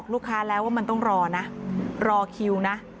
ลูกค้าแล้วว่ามันต้องรอนะรอคิวนะ